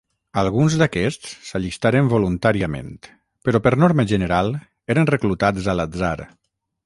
Alguns d'aquests s'allistaren voluntàriament, però per norma general eren reclutats a l'atzar.